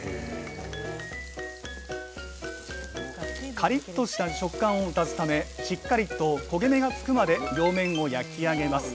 カリッとした食感を足すためしっかりと焦げ目がつくまで両面を焼き上げます。